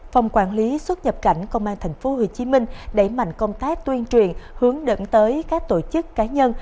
phòng quản lý xuất nhập cảnh công an tp hcm đẩy mạnh công tác tuyên truyền hướng đẩn tới các tổ chức cá nhân